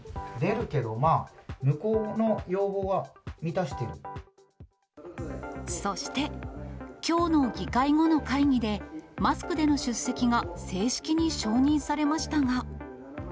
出るけど、そして、きょうの議会後の会議で、マスクでの出席が正式に承認されましたが。